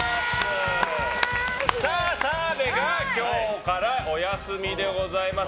さあ、澤部が今日からお休みでございます。